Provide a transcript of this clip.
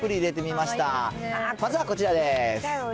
まずはこちらです。